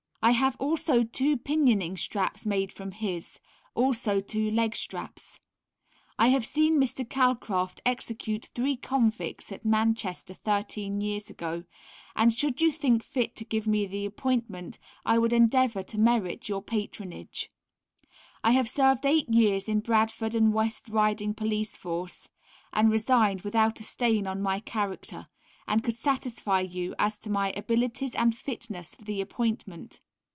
I have also two Pinioning straps made from his, also two leg straps. I have seen Mr. Calcraft execute three convicts at Manchester 13 years ago, and should you think fit to give me the appointment I would endeavour to merit your patronage. I have served 8 years in Bradford & West Riding Police Force, and resigned without a stain on my character, and could satisfy you as to my abilities and fitness for the appointment.